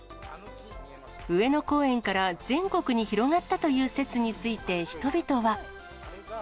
上野公園から全国に広がったという説について、人々は。